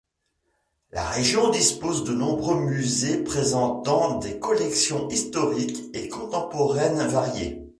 La région dispose de nombreux musées présentant des collections historiques et contemporaines variées.